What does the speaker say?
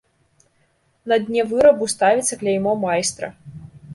На дне вырабу ставіцца кляймо майстра.